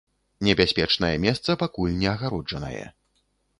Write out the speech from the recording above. Небяспечнае месца пакуль не агароджанае.